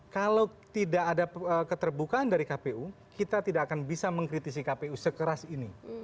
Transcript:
kalau tidak ada keterbukaan dari kpu kita tidak akan bisa mengkritisi kpu sekeras ini